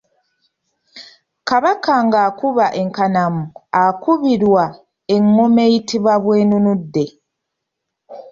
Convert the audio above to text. Kabaka ng’akuba enkanamu akubirwa engoma eyitibwa bwenunudde.